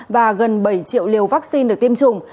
và gần bảy triệu liều vaccine được tiêm chủng